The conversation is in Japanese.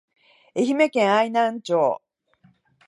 愛媛県愛南町